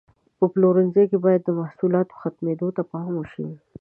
په پلورنځي کې باید د محصولاتو ختمېدو ته پام وشي.